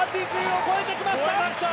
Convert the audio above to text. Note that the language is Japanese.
８０を越えてきました！